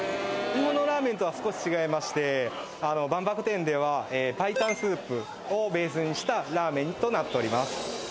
日本のラーメンとは少し違いまして万博店では白湯スープをベースにしたラーメンとなっております